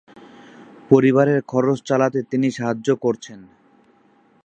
পরিবারের খরচ চালাতে তিনি সাহায্যে করছেন।